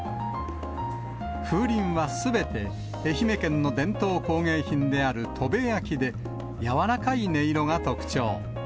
風鈴はすべて、愛媛県の伝統工芸品である砥部焼で、柔らかい音色が特徴。